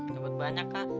dapat banyak kak